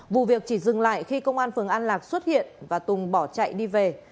vụ việc chỉ dừng lại khi công an phường an lạc xuất hiện và tùng bỏ chạy đi về